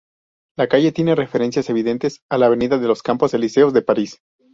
La calle tiene referencias evidentes a la Avenida de los Campos Elíseos de París.